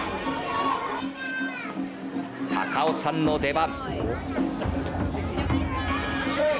高尾さんの出番。